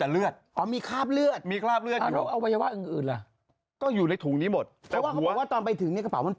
รู้ไหมครับรู้ไหม